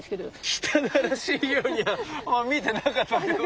汚らしいようには見えてなかったけど。